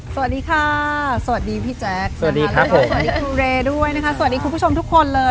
สวัสดีค่ะสวัสดีผู้ชมทุกคนเลย